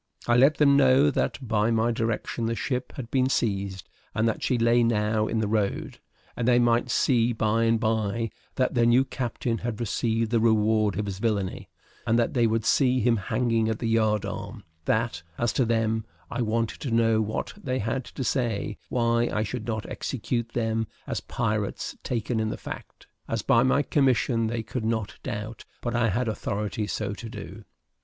I let them know that by my direction the ship had been seized; that she lay now in the road; and they might see by and by that their new captain had received the reward of his villany, and that they would see him hanging at the yard arm; that, as to them, I wanted to know what they had to say why I should not execute them as pirates taken in the fact, as by my commission they could not doubt but I had authority so to do.